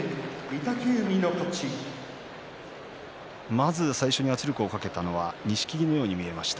まず最初に圧力をかけたのは錦木のように見えました。